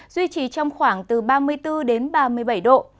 duy trì trong khoảng từ ba mươi bốn đến ba mươi bảy độ